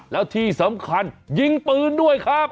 แล้วที่สำคัญยิงปืนด้วยครับ